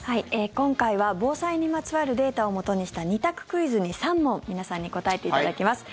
今回は防災にまつわるデータをもとにした２択クイズに、３問皆さんに答えていただきます。